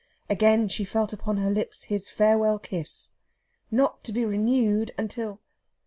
Again she felt upon her lips his farewell kiss, not to be renewed until